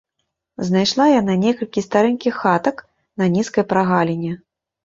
Знайшла яна некалькі старэнькіх хатак на нізкай прагаліне.